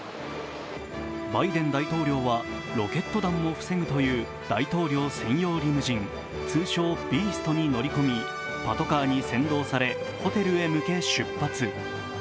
バイデン大統領はロケット弾を防ぐという大統領専用リムジン、通称・ビーストに乗り込みパトカーに先導されホテルへ向け出発。